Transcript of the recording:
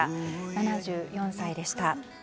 ７４歳でした。